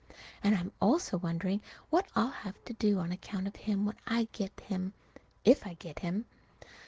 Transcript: And I am also wondering what I'll have to do on account of him when I get him, if I get him.